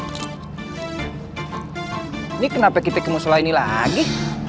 ini kenapa kita ke musola ini lagi